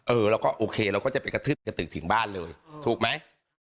เราก็โอเคเราก็จะไปกระทืบกระตึกถึงบ้านเลยถูกไหม